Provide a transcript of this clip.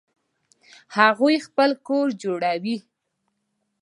هغوی خپل کور جوړوي